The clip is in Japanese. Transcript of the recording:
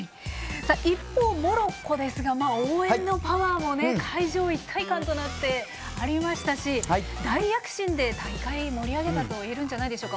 一方、モロッコですが応援のパワーも会場一体感となってありましたし大躍進で大会を盛り上げたといえるんじゃないでしょうか。